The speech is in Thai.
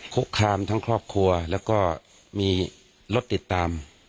คุกคามทั้งครอบครัวแล้วก็มีรถติดตาม